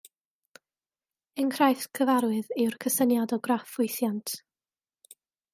Enghraifft gyfarwydd yw'r cysyniad o graff ffwythiant.